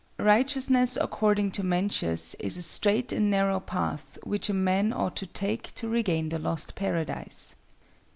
Righteousness, according to Mencius, is a straight and narrow path which a man ought to take to regain the lost paradise.